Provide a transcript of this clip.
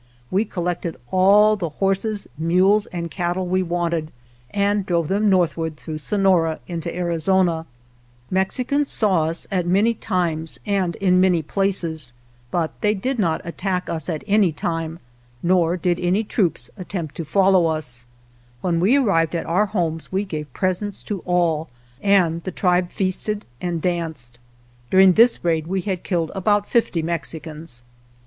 We collected all the horses, mules, and cattle we wanted, and drove them northward through Sonora into Arizona. Mexicans saw us at many 80 > >—l o S3 W w o c o C C K sc w K 3 w ►> H EB o p o —• p VARYING FORTUNES times and in many places, but they did not attack us at any time, nor did any troops attempt to follow us. When we arrived at our homes we gave presents to all, and the tribe feasted and danced. During this raid we had killed about fifty Mexicans.